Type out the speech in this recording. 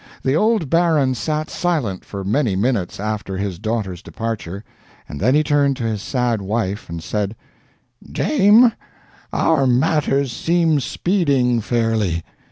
The old baron sat silent for many minutes after his daughter's departure, and then he turned to his sad wife and said: "Dame, our matters seem speeding fairly.